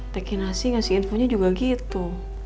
dekinasi ngasih infonya juga gitu